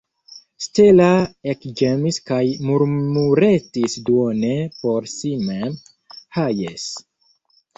Stella ekĝemis kaj murmuretis duone por si mem: « Ha, jes! »